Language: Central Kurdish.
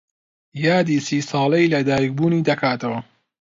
یادی سی ساڵەی لەدایکبوونی دەکاتەوە.